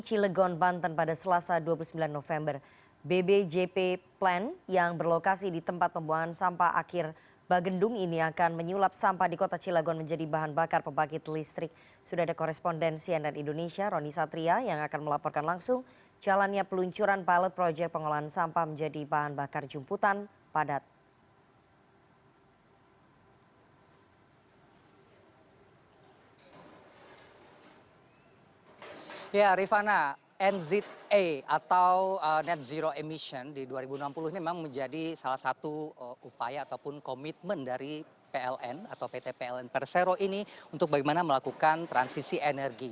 ya rifana nza atau net zero emission di dua ribu enam puluh ini memang menjadi salah satu upaya ataupun komitmen dari pln atau pt pln persero ini untuk bagaimana melakukan transisi energi